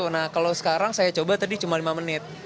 nah kalau sekarang saya coba tadi cuma lima menit